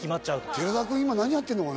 寺田君今何やってんのかな？